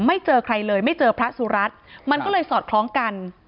เจอใครเลยไม่เจอพระสุรัตน์มันก็เลยสอดคล้องกัน